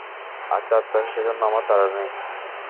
আচ্ছা আচ্ছা, সেজন্যে আমার তাড়া নেই।